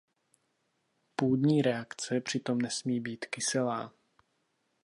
Půdní reakce přitom nesmí být kyselá.